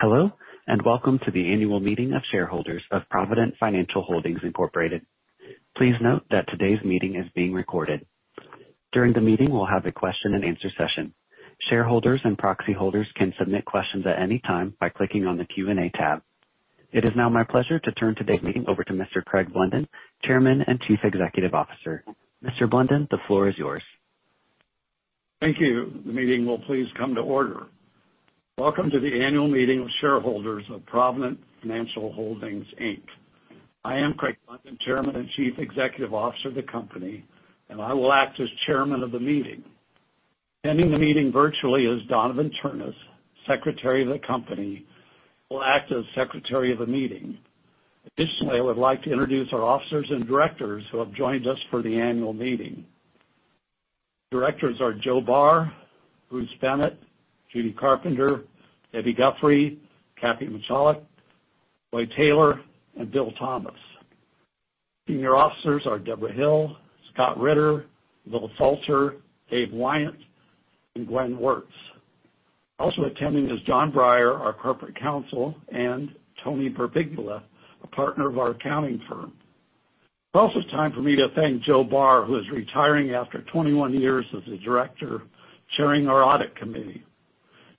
Hello, welcome to the Annual Meeting of Shareholders of Provident Financial Holdings Incorporated. Please note that today's meeting is being recorded. During the meeting, we'll have a question and answer session. Shareholders and proxy holders can submit questions at any time by clicking on the Q&A tab. It is now my pleasure to turn today's meeting over to Mr. Craig Blunden, Chairman and Chief Executive Officer. Mr. Blunden, the floor is yours. Thank you. The meeting will please come to order. Welcome to the annual meeting of shareholders of Provident Financial Holdings, Inc. I am Craig Blunden, Chairman and Chief Executive Officer of the company, and I will act as chairman of the meeting. Attending the meeting virtually is Donovan Ternes, Secretary of the company, will act as secretary of the meeting. Additionally, I would like to introduce our officers and directors who have joined us for the annual meeting. Directors are Joe Barr, Bruce Bennett, Judy Carpenter, Debbi Guthrie, Kathy Michalak, Lloyd Taylor, and Bill Thomas. Senior officers are Deborah Hill, Scott Ritter, Will Salter, Dave Wyant, and Gwen Wertz. Also attending is John Breyer, our corporate counsel, and Tony [Perbigla], a partner of our accounting firm. It's also time for me to thank Joe Barr, who is retiring after 21 years as a director, chairing our audit committee.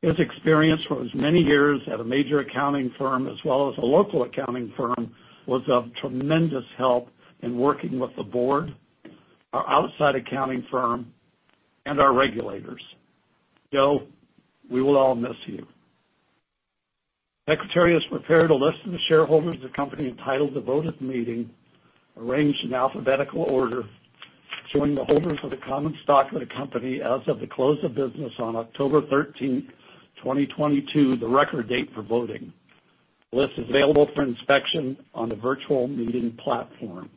His experience for his many years at a major accounting firm as well as a local accounting firm was of tremendous help in working with the board, our outside accounting firm, and our regulators. Joe, we will all miss you. Secretary has prepared a list of the shareholders of the company entitled to vote at the meeting, arranged in alphabetical order, showing the holders of the common stock of the company as of the close of business on October 13, 2022, the record date for voting. The list is available for inspection on the virtual meeting platform.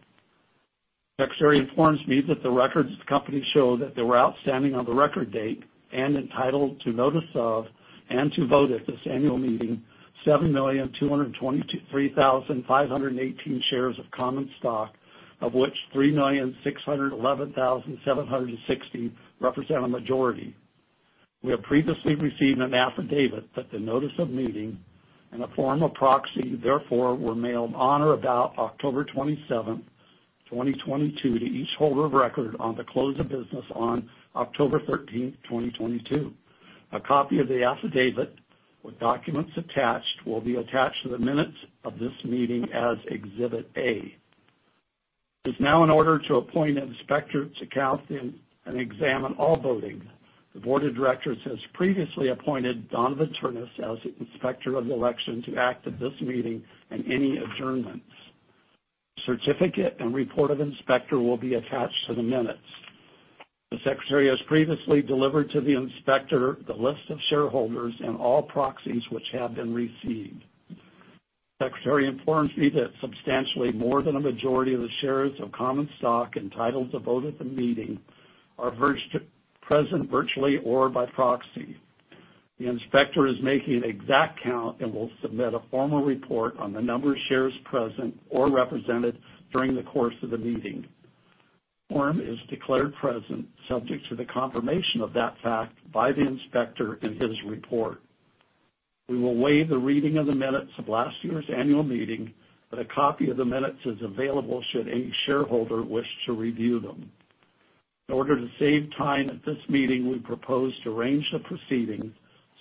Secretary informs me that the records of the company show that they were outstanding on the record date and entitled to notice of and to vote at this annual meeting 7,223,518 shares of common stock, of which 3,611,760 represent a majority. We have previously received an affidavit that the notice of meeting and a form of proxy, therefore, were mailed on or about October 27, 2022, to each holder of record on the close of business on October 13, 2022. A copy of the affidavit with documents attached will be attached to the minutes of this meeting as Exhibit A. It's now in order to appoint an inspector to count and examine all voting. The board of directors has previously appointed Donovan Ternes as the Inspector of the Election to act at this meeting and any adjournments. Certificate and report of inspector will be attached to the minutes. The secretary has previously delivered to the inspector the list of shareholders and all proxies which have been received. Secretary informs me that substantially more than a majority of the shares of common stock entitled to vote at the meeting are present virtually or by proxy. The inspector is making an exact count and will submit a formal report on the number of shares present or represented during the course of the meeting. Quorum is declared present subject to the confirmation of that fact by the inspector in his report. We will waive the reading of the minutes of last year's annual meeting. A copy of the minutes is available should any shareholder wish to review them. In order to save time at this meeting, we propose to arrange the proceedings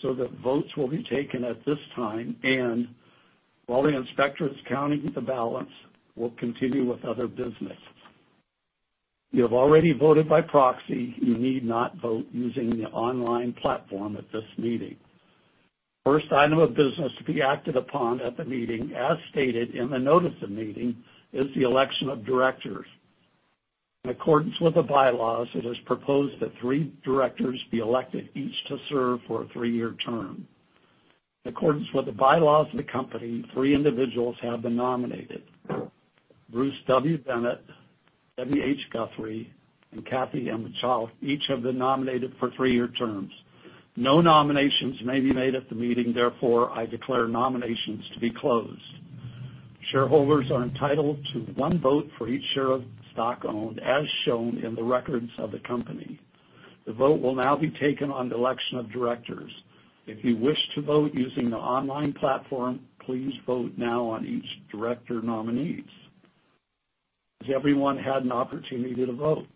so that votes will be taken at this time. While the Inspector of Election is counting the ballots, we'll continue with other business. If you have already voted by proxy, you need not vote using the online platform at this meeting. First item of business to be acted upon at the meeting, as stated in the notice of meeting, is the election of directors. In accordance with the bylaws, it is proposed that three directors be elected, each to serve for a three-year term. In accordance with the bylaws of the company, three individuals have been nominated. Bruce W. Bennett, Debbi H. Guthrie, and Kathy M. Michalak. Michalak each have been nominated for three-year terms. No nominations may be made at the meeting. Therefore, I declare nominations to be closed. Shareholders are entitled to one vote for each share of stock owned as shown in the records of the company. The vote will now be taken on the election of directors. If you wish to vote using the online platform, please vote now on each director nominees. Has everyone had an opportunity to vote?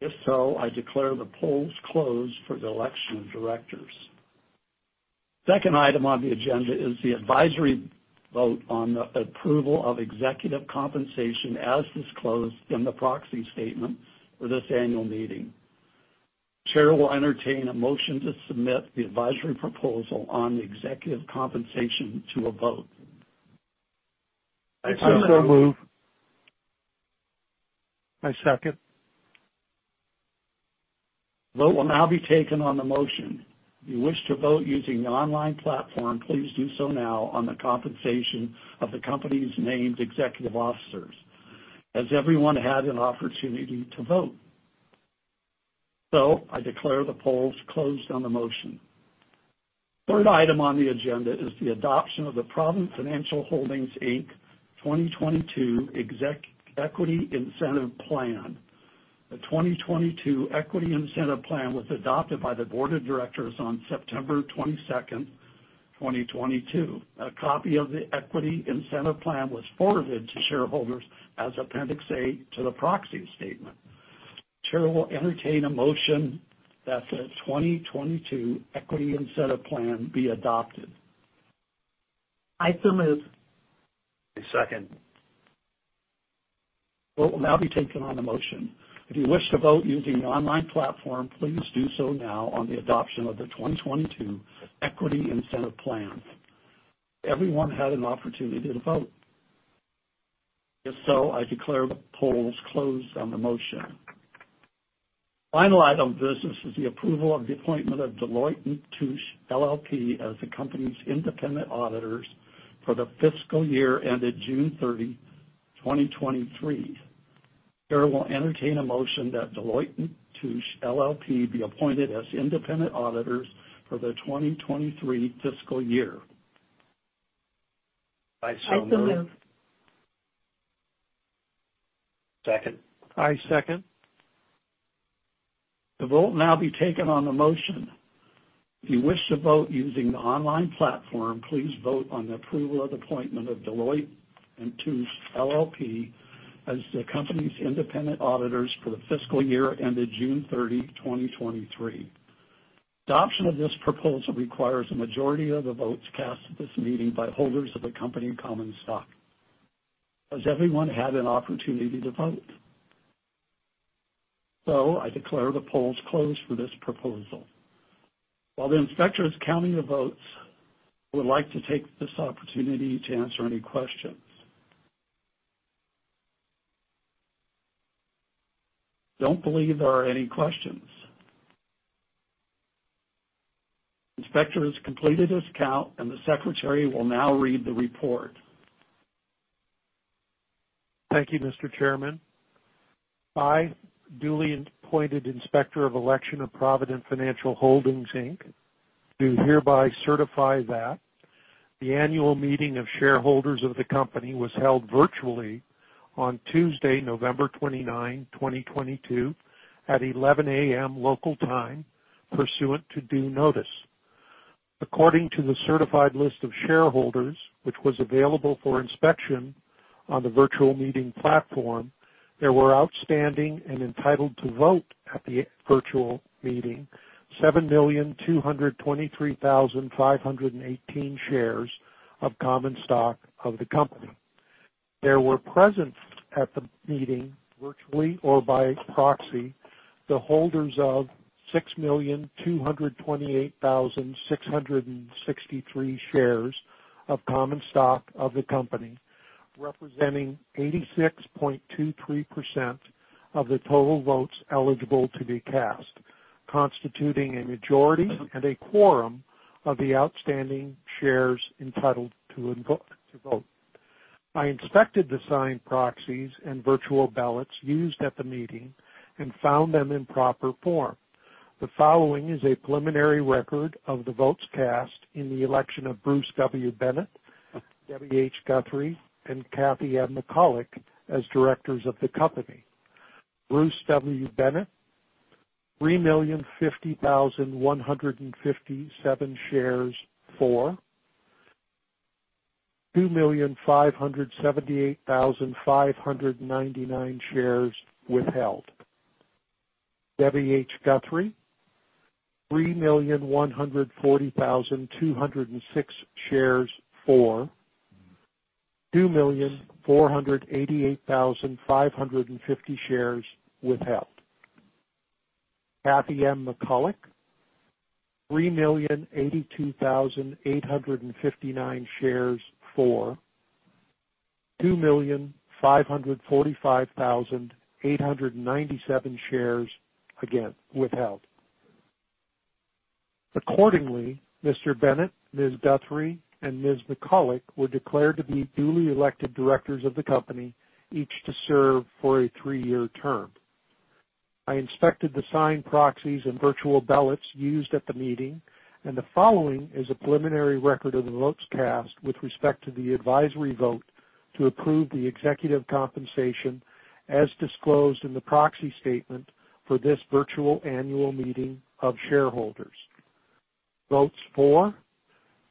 If so, I declare the polls closed for the election of directors. Second item on the agenda is the advisory vote on the approval of executive compensation as disclosed in the proxy statement for this annual meeting. Chair will entertain a motion to submit the advisory proposal on the executive compensation to a vote. I so move. I second. Vote will now be taken on the motion. If you wish to vote using the online platform, please do so now on the compensation of the company's named executive officers. Has everyone had an opportunity to vote? I declare the polls closed on the motion. Third item on the agenda is the adoption of the Provident Financial Holdings Inc 2022 Equity Incentive Plan. The 2022 Equity Incentive Plan was adopted by the board of directors on September 22nd, 2022. A copy of the Equity Incentive Plan was forwarded to shareholders as Appendix A to the proxy statement. Chair will entertain a motion that the 2022 Equity Incentive Plan be adopted. Item moved. I second. The vote will now be taken on the motion. If you wish to vote using the online platform, please do so now on the adoption of the 2022 Equity Incentive Plan. Everyone had an opportunity to vote. If so, I declare the polls closed on the motion. Final item of business is the approval of the appointment of Deloitte & Touche LLP as the company's independent auditors for the fiscal year ended June 30, 2023. Chair will entertain a motion that Deloitte & Touche LLP be appointed as independent auditors for the 2023 fiscal year. Item moved. Second. I second. The vote will now be taken on the motion. If you wish to vote using the online platform, please vote on the approval of appointment of Deloitte & Touche LLP as the company's independent auditors for the fiscal year ended June 30, 2023. Adoption of this proposal requires a majority of the votes cast at this meeting by holders of the company common stock. Has everyone had an opportunity to vote? I declare the polls closed for this proposal. While the inspector is counting the votes, I would like to take this opportunity to answer any questions. Don't believe there are any questions. Inspector has completed his count, and the secretary will now read the report. Thank you, Mr. Chairman. I, duly appointed Inspector of Election of Provident Financial Holdings Inc, do hereby certify that the annual meeting of shareholders of the company was held virtually on Tuesday, November 29, 2022 at 11:00 A.M. local time pursuant to due notice. According to the certified list of shareholders which was available for inspection on the virtual meeting platform, there were outstanding and entitled to vote at the virtual meeting 7,223,518 shares of common stock of the company. There were present at the meeting, virtually or by proxy, the holders of 6,228,663 shares of common stock of the company, representing 86.23% of the total votes eligible to be cast, constituting a majority and a quorum of the outstanding shares entitled to vote. I inspected the signed proxies and virtual ballots used at the meeting and found them in proper form. The following is a preliminary record of the votes cast in the election of Bruce W. Bennett, Debbi H. Guthrie, and Kathy M. Michalak as directors of the company. Bruce W. Bennett, 3,050,157 shares for, 2,578,599 shares withheld. Debbi H. Guthrie, 3,140,206 shares for, 2,488,550 shares withheld. Kathy M. Michalak, 3,082,859 shares for, 2,545,897 shares, again, withheld. Accordingly, Mr. Bennett, Ms. Guthrie, and Ms. Michalak were declared to be duly elected directors of the company, each to serve for a three-year term. I inspected the signed proxies and virtual ballots used at the meeting and the following is a preliminary record of the votes cast with respect to the advisory vote to approve the executive compensation as disclosed in the proxy statement for this virtual annual meeting of shareholders. Votes for,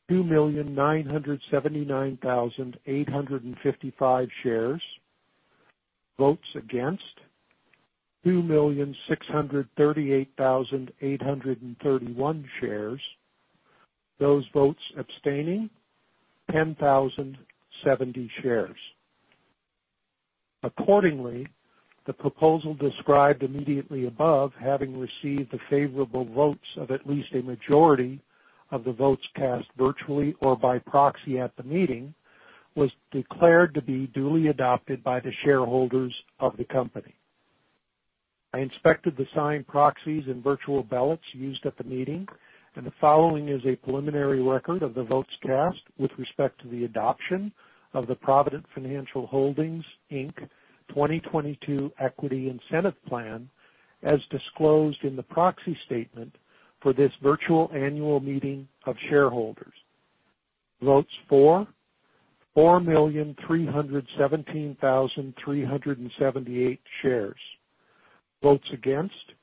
2,979,855 shares. Votes against, 2,638,831 shares. Those votes abstaining, 10,070 shares. Accordingly, the proposal described immediately above, having received the favorable votes of at least a majority of the votes cast virtually or by proxy at the meeting, was declared to be duly adopted by the shareholders of the company. I inspected the signed proxies and virtual ballots used at the meeting. The following is a preliminary record of the votes cast with respect to the adoption of the Provident Financial Holdings Inc 2022 Equity Incentive Plan as disclosed in the proxy statement for this virtual annual meeting of shareholders. Votes for, 4,317,378 shares. Votes against,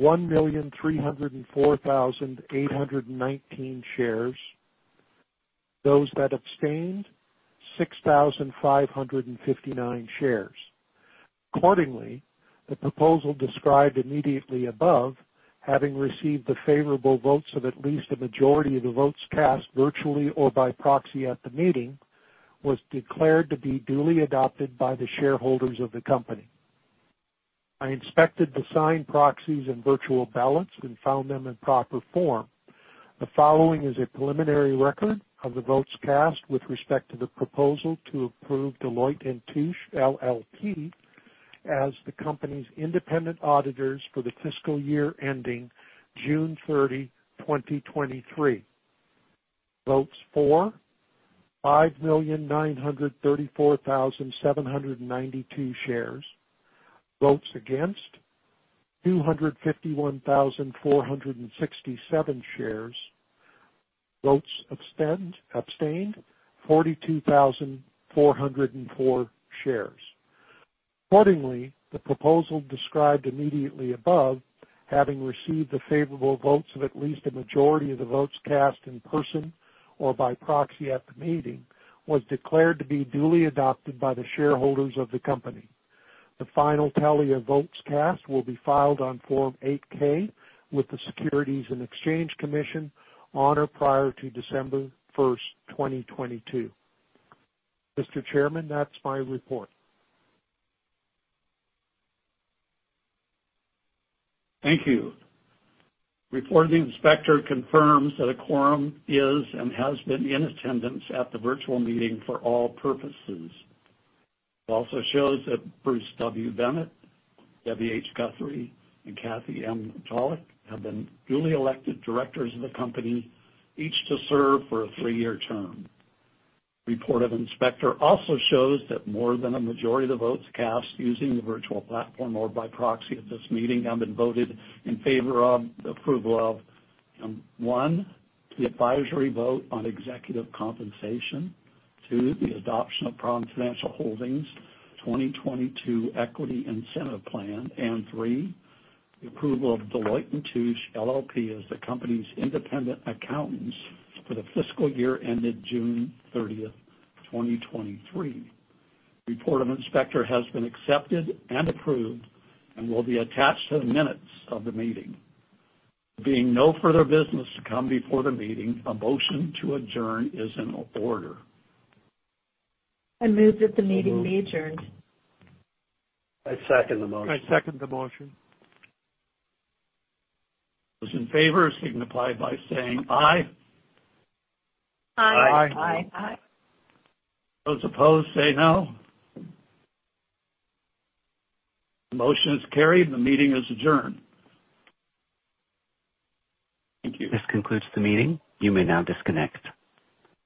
1,304,819 shares. Those that abstained, 6,559 shares. Accordingly, the proposal described immediately above, having received the favorable votes of at least a majority of the votes cast virtually or by proxy at the meeting, was declared to be duly adopted by the shareholders of the company. I inspected the signed proxies and virtual ballots and found them in proper form. The following is a preliminary record of the votes cast with respect to the proposal to approve Deloitte & Touche LLP as the company's independent auditors for the fiscal year ending June 30, 2023. Votes for, 5,934,792 shares. Votes against, 251,467 shares. Votes abstained, 42,404 shares. Accordingly, the proposal described immediately above, having received the favorable votes of at least a majority of the votes cast in person or by proxy at the meeting, was declared to be duly adopted by the shareholders of the company. The final tally of votes cast will be filed on Form 8-K with the Securities and Exchange Commission on or prior to December 1st, 2022. Mr. Chairman, that's my report. Thank you. Report of the inspector confirms that a quorum is and has been in attendance at the virtual meeting for all purposes. It also shows that Bruce W. Bennett, Debbi H. Guthrie, and Kathy M. Michalak have been duly elected directors of the company, each to serve for a three-year term. Report of inspector also shows that more than a majority of the votes cast using the virtual platform or by proxy at this meeting have been voted in favor of the approval of, one, the advisory vote on executive compensation, two, the adoption of Provident Financial Holdings' 2022 Equity Incentive Plan, and three, the approval of Deloitte & Touche LLP as the company's independent accountants for the fiscal year ended June 30th, 2023. Report of inspector has been accepted and approved and will be attached to the minutes of the meeting. Being no further business to come before the meeting, a motion to adjourn is in order. I move that the meeting be adjourned. I second the motion. Those in favor, signify by saying aye. Aye. Aye. Aye. Those opposed say no. The motion is carried. The meeting is adjourned. Thank you. This concludes the meeting. You may now disconnect.